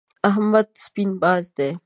احمد سپين باز دی.